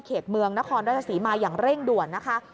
เขตเมืองนครราชศรีมาอย่างเร่งด่วนนะคะ